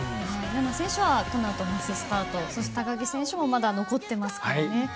でも菜那選手はこのあとマススタート高木美帆選手もまだ残っていますからね。